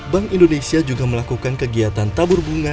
bank indonesia juga melakukan kegiatan tabur bunga